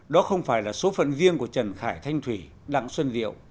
đó không phải là số phận riêng của trần khải thanh thủy đặng xuân liệu